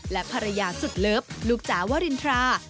และภรรยาสุดเลิฟลูกจ๋าวรินทรา